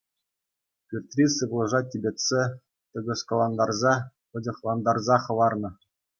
Пӳртри сывлӑша типӗтсе, тӑкӑскӑлантарса, пӑчӑхлантарса хӑварнӑ.